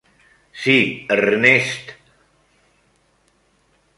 Sí, Ernest!